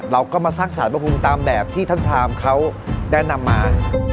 เราก็มาสร้างสารพระภูมิตามแบบที่ท่านพรามเขาแนะนำมา